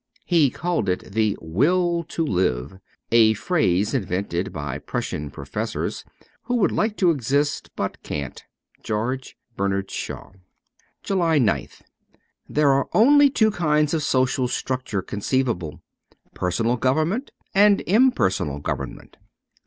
He called it the Will to Live — a phrase invented by Prussian professors who would like to exist but can't. ' George Bernard Shaw. ' JULY 9th THERE are only two kinds of social structure conceivable — personal government and im personal government.